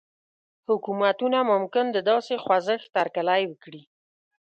حکومتونه ممکن د داسې خوځښت هرکلی وکړي.